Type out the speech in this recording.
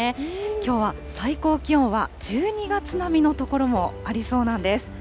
きょうは最高気温は１２月並みの所もありそうなんです。